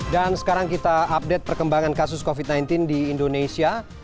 dan sekarang kita update perkembangan kasus covid sembilan belas di indonesia